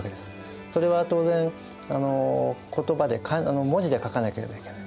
それは当然言葉で文字で書かなければいけない。